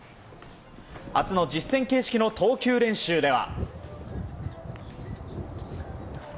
初の実戦形式の投球練習では。